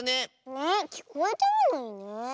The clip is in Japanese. ねえきこえてるのにね。